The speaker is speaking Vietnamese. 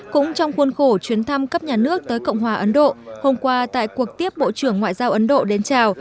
cũng trong khuôn khổ chuyến thăm cấp nhà nước tới cộng hòa ấn độ hôm qua tại cuộc tiếp bộ trưởng ngoại giao ấn độ đến chào